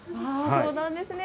そうなんですね。